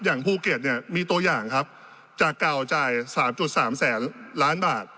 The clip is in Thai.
อย่างภูเก็ตเนี่ยมีตัวอย่างครับจากเก่าจ่าย๓๓แสนล้านบาท